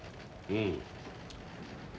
うん。